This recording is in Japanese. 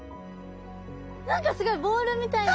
何かすごいボールみたいな。